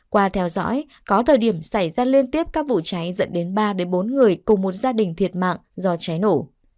qua theo dõi có thời điểm xảy ra liên tiếp các vụ cháy dẫn đến ba bốn người cùng một gia đình thiệt mạng do cháy nổ